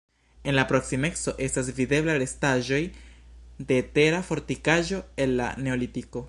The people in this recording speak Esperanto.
En la proksimeco estas videbla restaĵoj de tera fortikaĵo el la neolitiko.